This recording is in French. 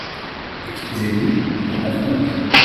Excusez-nous, nous n'en avons aucun.